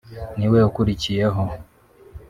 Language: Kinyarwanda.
ni we ukuriyeho